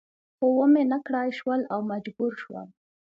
خو و مې نه کړای شول او مجبور شوم.